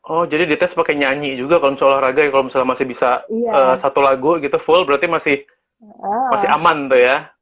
oh jadi dites pakai nyanyi juga kalau misalnya olahraga ya kalau misalnya masih bisa satu lagu gitu full berarti masih aman tuh ya